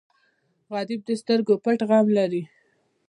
غریب د سترګو پټ غم لري